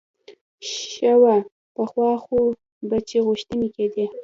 ښه وه پخوا خو به چې غوښتنې کېدې.